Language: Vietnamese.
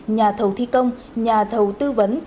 nhà thầu thi công nhà thầu tư vấn